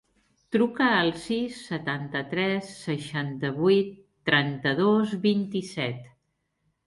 Truca al sis, setanta-tres, seixanta-vuit, trenta-dos, vint-i-set.